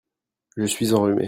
Je suis enrhumé.